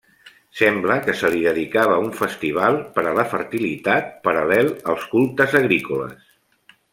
Sembla que se li dedicava un festival per a la fertilitat, paral·lel als cultes agrícoles.